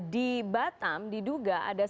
di batam diduga ada